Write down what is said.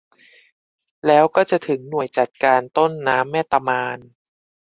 แล้วก็จะถึงหน่วยจัดการต้นน้ำแม่ตะมาน